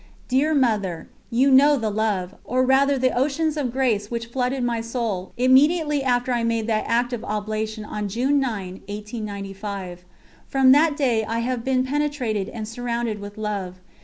Dear Mother, you know the love, or rather the oceans of grace which flooded my soul immediately after I made that Act of Oblation on June 9, 1895. From that day I have been penetrated and surrounded with love.